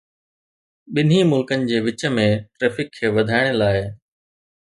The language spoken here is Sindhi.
ٻنهي ملڪن جي وچ ۾ ٽرئفڪ کي وڌائڻ لاء.